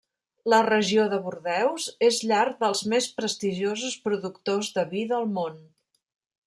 La regió de Bordeus és llar dels més prestigiosos productors de vi del món.